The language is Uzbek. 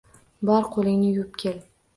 – Bor, qo‘lingni yuvib kel